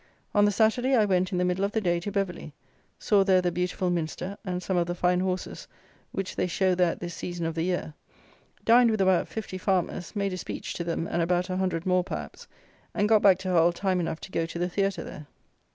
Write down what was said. On the Saturday I went in the middle of the day to Beverley; saw there the beautiful minster, and some of the fine horses which they show there at this season of the year; dined with about fifty farmers; made a speech to them and about a hundred more, perhaps; and got back to Hull time enough to go to the theatre there.